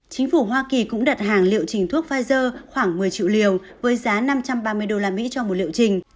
chính phủ hoa kỳ cũng đặt hàng liệu trình thuốc pfizer khoảng một mươi triệu liều với giá năm trăm ba mươi usd cho một liệu trình